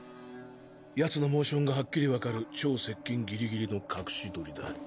ヤツのモーションがはっきりわかる超接近ギリギリの隠し撮りだ。